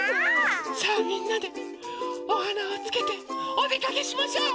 さあみんなでおはなをつけておでかけしましょう！